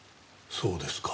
そうですか。